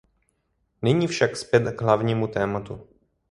Nyní však zpět k hlavnímu tématu.